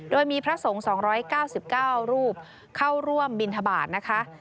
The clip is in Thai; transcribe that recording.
โดยมีพระสงฆ์๒๙๙รูปเข้าร่วมบินทบาทนะคะ